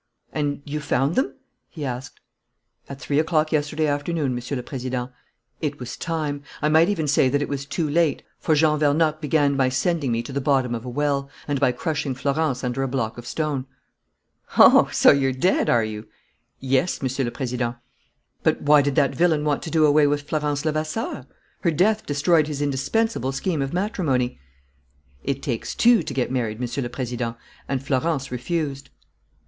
"And you found them?" he asked. "At three o'clock yesterday afternoon, Monsieur le Président. It was time. I might even say that it was too late, for Jean Vernocq began by sending me to the bottom of a well, and by crushing Florence under a block of stone." "Oh, so you're dead, are you?" "Yes, Monsieur le Président." "But why did that villain want to do away with Florence Levasseur? Her death destroyed his indispensable scheme of matrimony." "It takes two to get married, Monsieur le Président, and Florence refused."